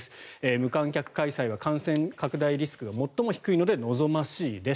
無観客開催は感染拡大リスクが最も低いので望ましいです。